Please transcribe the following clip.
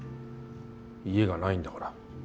家がないんだから。